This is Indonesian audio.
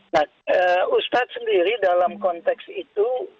nah ustadz sendiri dalam konteks itu